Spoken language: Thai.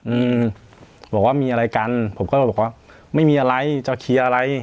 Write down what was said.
อืมบอกว่ามีอะไรกันผมก็เลยบอกว่าไม่มีอะไรจะเคลียร์อะไร